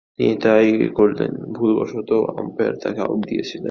তিনি তাই করলেন, ভুলবশতঃ আম্পায়ার তাকে আউট দিয়েছেন।